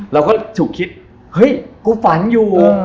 เราก็ฉุกคิดเฮ้ยกูฝันอยู่